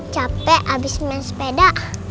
capek abis main sepeda